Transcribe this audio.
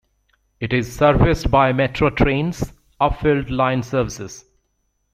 It is serviced by Metro Trains' Upfield line services.